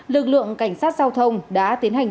lực lượng cảnh sát giao thông đã tiến hành